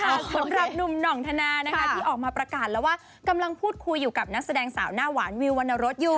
สำหรับหนุ่มหน่องธนานะคะที่ออกมาประกาศแล้วว่ากำลังพูดคุยอยู่กับนักแสดงสาวหน้าหวานวิววรรณรสอยู่